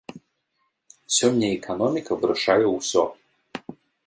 Сёння эканоміка вырашае усё.